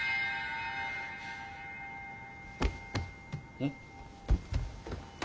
うん？